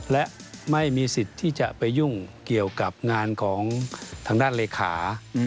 และไม่มีสิทธิ์ที่จะไปยุ่งเกี่ยวกับงานของทางด้านเลขา